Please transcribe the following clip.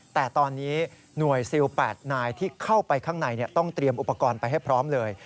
แต่ตอนนี้หน่วยซิล๘นายที่เข้าไปข้างในต้องเตรียมอุปกรณ์ไปให้พร้อมเลย